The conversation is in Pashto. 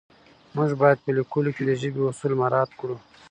موږ باید په لیکلو کې د ژبې اصول مراعت کړو